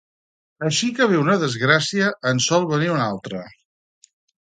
Així que ve una desgracia en sol venir una altra